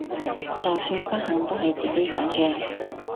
就算不幸都係自己揀嘅！